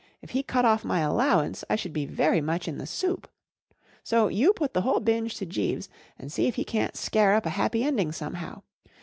If he cut off my allowance, I should be very much in the soup* So you put the whole binge to Jeeves and see if he can't scare up a happy ending somehow.